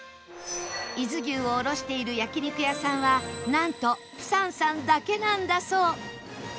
伊豆牛を卸している焼肉屋さんはなんとプサンさんだけなんだそう